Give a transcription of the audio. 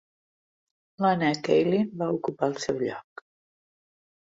Lana Kaelin va ocupar el seu lloc.